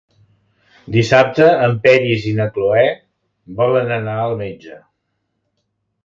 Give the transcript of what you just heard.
Dissabte en Peris i na Cloè volen anar al metge.